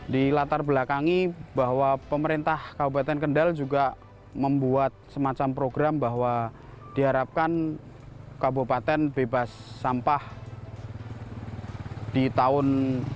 dilatar belakangi bahwa pemerintah kabupaten kendal juga membuat semacam program bahwa diharapkan kabupaten bebas sampah di tahun dua ribu dua puluh